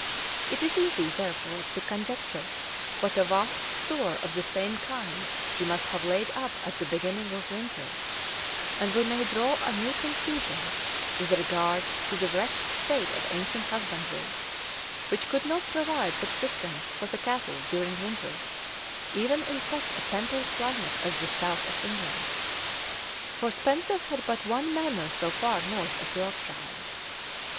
It is easy, therefore, to conjecture what a vast store of the same kind he must have laid up at the beginning of winter; and we may draw a new conclusion with regard to the wretched state of ancient husbandry, which could not provide subsistence for the cattle during winter, even in such a temperate climate as the south of England; for Spenser had but one manor so far north as Yorkshire.